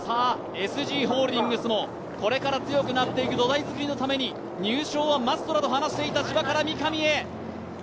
ＳＧホールディングスもこれから強くなっていく土台作りのために入賞はマストだと話していた千葉から三上へ。